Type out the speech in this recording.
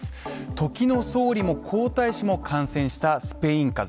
時の総理も、皇太子も感染したスペイン風邪。